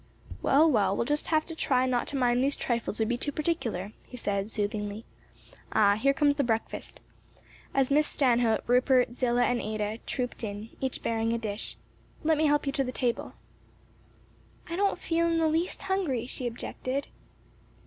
"Well, we'll have just to try not to mind these trifles or be too particular," he said, soothingly. "Ah, here comes the breakfast," as Miss Stanhope, Rupert, Zillah and Ada trooped in, each bearing a dish, "let me help you to the table." "I don't feel in the least hungry," she objected.